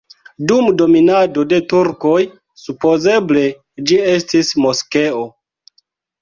Dum dominado de turkoj supozeble ĝi estis moskeo.